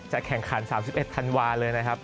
แข่งขัน๓๑ธันวาเลยนะครับ